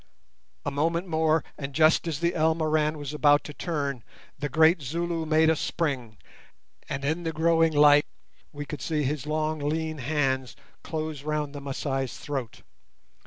A moment more, and, just as the Elmoran was about to turn, the great Zulu made a spring, and in the growing light we could see his long lean hands close round the Masai's throat.